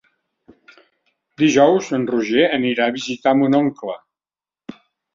Dijous en Roger anirà a visitar mon oncle.